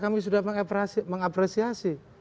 kami sudah mengapresiasi